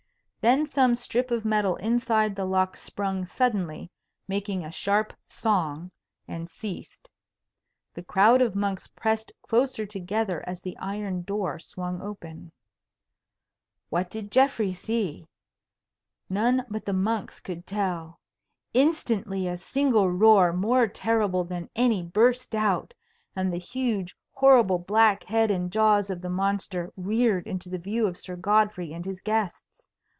Then some strip of metal inside the lock sprung suddenly, making a sharp song, and ceased. The crowd of monks pressed closer together as the iron door swung open. [Illustration: THE DRAGON MAKETH HIS LAST APPEARANCE] What did Geoffrey see? None but the monks could tell. Instantly a single roar more terrible than any burst out, and the huge horrible black head and jaws of the monster reared into the view of Sir Godfrey and his guests.